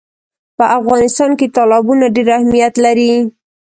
په افغانستان کې تالابونه ډېر اهمیت لري.